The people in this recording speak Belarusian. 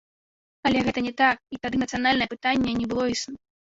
Але гэта не так, і тады нацыянальнае пытанне не было існым.